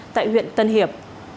tại huyện tân hiệp